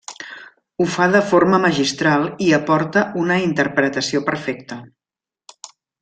Ho fa de forma magistral i aporta una interpretació perfecta.